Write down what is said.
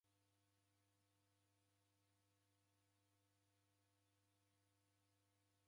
W'avi w'iw'ilindie w'anake w'iseghende modenyi